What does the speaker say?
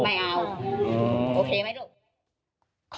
โอเคไหมลูก